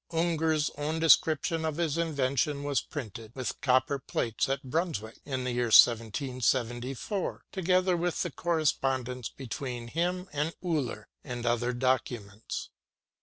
UngerŌĆÖs own description of his invention was printed, with copper plates, at Brunswick, in the year 1774, together with the correspondence be tween him and Euler, and other documents.